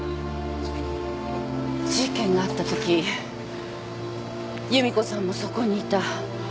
事件があったとき夕美子さんもそこにいた。